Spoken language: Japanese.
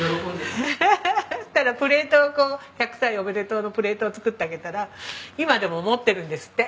そしたらプレートをこう１００歳おめでとうのプレートを作ってあげたら今でも持ってるんですって。